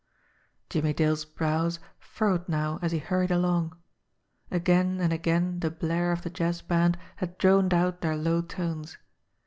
Jimmie Dale's brows furrowed now as he hurried along. Again and again the blare of the jazz band had drowned out their low tones.